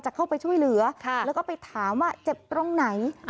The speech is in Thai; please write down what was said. เข้าไปช่วยเหลือแล้วก็ไปถามว่าเจ็บตรงไหน